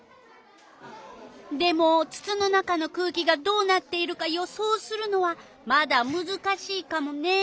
でもつつの中の空気がどうなっているか予想するのはまだむずかしいカモね。